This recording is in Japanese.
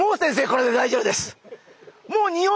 これで大丈夫です。